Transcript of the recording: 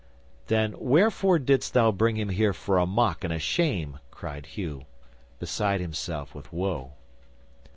'"Then wherefore didst thou bring him here for a mock and a shame?" cried Hugh, beside himself with woe.